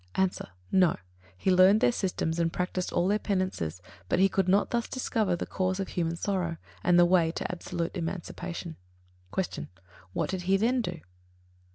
_ A. No; he learned their systems and practised all their penances, but he could not thus discover the cause of human sorrow and the way to absolute emancipation. 51. Q. _What did he then do?